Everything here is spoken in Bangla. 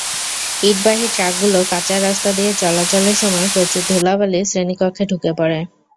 ইটবাহী ট্রাকগুলো কাঁচা রাস্তা দিয়ে চলাচলের সময় প্রচুর ধুলাবালি শ্রেণিকক্ষে ঢুকে পড়ে।